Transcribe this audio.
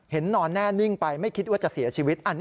นอนแน่นิ่งไปไม่คิดว่าจะเสียชีวิต